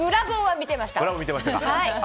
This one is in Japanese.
見てました。